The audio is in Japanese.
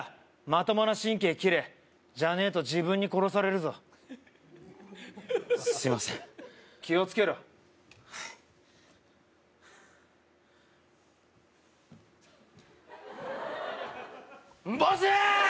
まともな神経切れじゃねえと自分に殺されるぞすいません気をつけろはいボス！